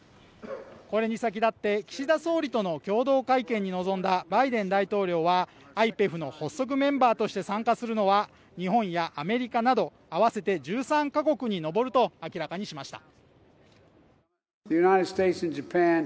これに先立って、岸田総理との共同会見に臨んだバイデン大統領はＩＰＥＦの発足メンバーとして参加するのは日本やアメリカなど合わせて１３カ国に上ると明らかにしました。